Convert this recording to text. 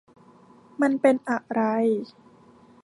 มันเป็นอะไร